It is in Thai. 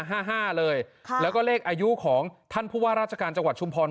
ห้าห้าเลยค่ะแล้วก็เลขอายุของท่านผู้ว่าราชการจังหวัดชุมพร